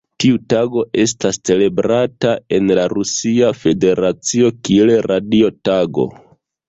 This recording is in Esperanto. Tiu tago estas celebrata en la Rusia Federacio kiel Radio Tago.